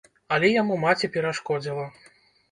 Але яму маці перашкодзіла.